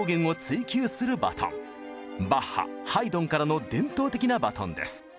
バッハハイドンからの伝統的なバトンです。